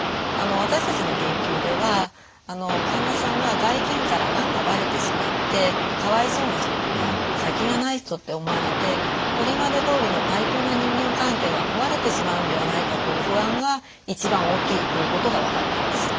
私たちの研究では患者さんが外見からがんがバレてしまってかわいそうな人とか先がない人って思われてこれまでどおりの対等な人間関係が壊れてしまうんではないかという不安が一番大きいということが分かったんです。